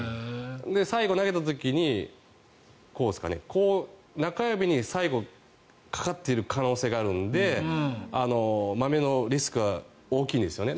最後投げた時に、中指に最後かかっている可能性があるのでまめのリスクが大きいんですよね。